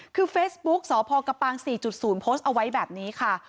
คือเฟซบุ๊กสพกระปาง๔๐โพสต์เอาไว้แบบนี้ค่ะ